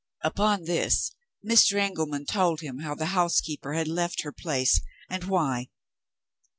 Upon this, Mr. Engelman told him how the housekeeper had left her place and why.